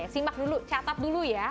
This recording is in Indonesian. simak dulu catat dulu ya